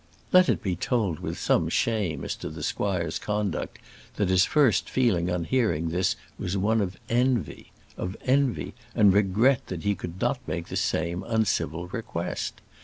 Let it be told with some shame as to the squire's conduct, that his first feeling on hearing this was one of envy of envy and regret that he could not make the same uncivil request.